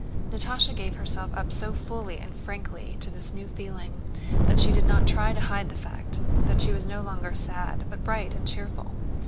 Natásha gave herself up so fully and frankly to this new feeling that she did not try to hide the fact that she was no longer sad, but bright and cheerful.